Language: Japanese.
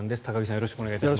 よろしくお願いします。